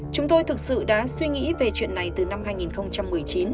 chúng tôi thực sự đã suy nghĩ về chuyện này từ năm hai nghìn một mươi chín